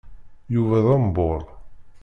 Yuba d ambur.